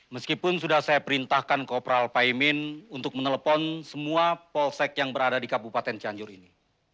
meskipun sudah saya perintahkan kopral paimin untuk menelpon semua polsek yang berada di kabupaten cianjur ini